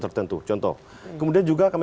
tertentu contoh kemudian juga kami